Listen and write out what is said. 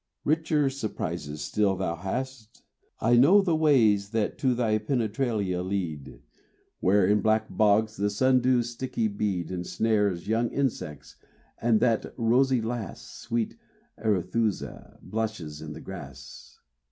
Richer surprises still thou hast: I know The ways that to thy penetralia lead, Where in black bogs the sundew's sticky bead Ensnares young insects, and that rosy lass, Sweet Arethusa, blushes in the grass.